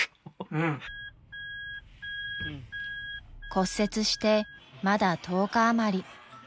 ［骨折してまだ１０日余り］